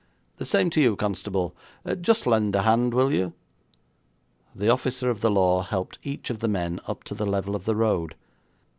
'The same to you, constable. Just lend a hand, will you?' The officer of the law helped each of the men up to the level of the road.